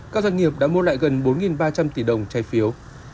các doanh nghiệp đã mua lại gần bốn ba trăm linh tỷ đồng trái phiếu